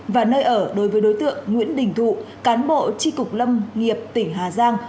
và nơi ở đối với đối tượng nguyễn đình thụ cán bộ tri cục lâm nghiệp tỉnh hà giang